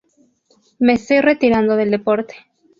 Me estoy retirando del deporte.